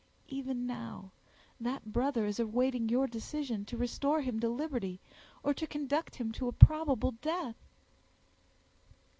Even now, that brother is awaiting your decision to restore him to liberty, or to conduct him to a probable death."